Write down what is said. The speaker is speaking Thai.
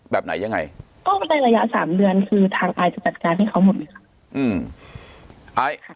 แบบไหนยังไงก็ในระยะสามเดือนคือทางอายจะจัดการให้เขาหมดเลยค่ะอืม